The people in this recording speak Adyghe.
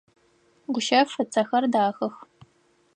Гущэф ыцэхэр дахэх.